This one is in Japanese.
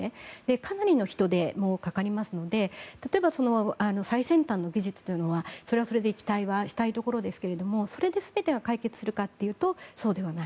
かなりの人手もかかりますので例えば最先端の技術はそれはそれで期待したいところですがそれで全てが解決するかというとそうではない。